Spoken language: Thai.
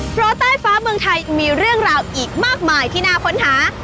เพราะใต้ฟ้าเมืองไทยมีเรื่องราวอีกมากมายที่น่าค้นหา